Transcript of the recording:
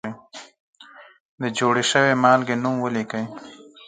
د جوړې شوې مالګې نوم ولیکئ.